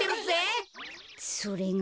それが。